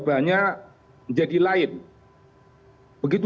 begitu banyak orang yang menjawab mengapa tidak dijawab dengan kinerja